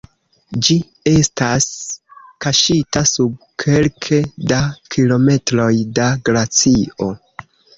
Ĝi estas kaŝita sub kelke da kilometroj da glacio.